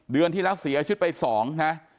เดือนที่แล้วเสียชีวิตไป๒นะ